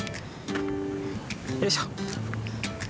よいしょ。